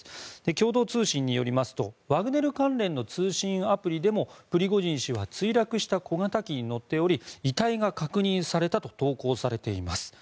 共同通信によりますとワグネル関連の通信アプリでもプリゴジン氏は墜落した小型機に乗っており遺体が確認されたと投稿されています。